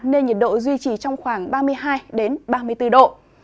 nên nhiệt độ duy trì trong khoảng ba mươi hai ba mươi bốn độ